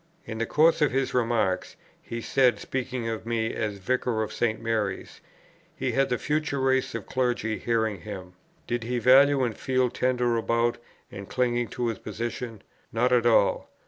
In the course of his remarks, he said, speaking of me as Vicar of St. Mary's: "He had the future race of clergy hearing him. Did he value and feel tender about, and cling to his position?... Not at all....